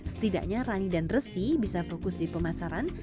setidaknya rani dan resi bisa fokus di pemasaran